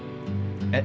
えっ？